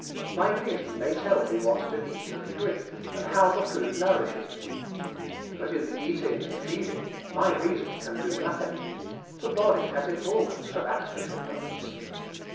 My reason may tell me what to eat and drink, and how the food nourishes me. But in the eating and feeding my reason can do nothing: the body has its organs for that special purpose.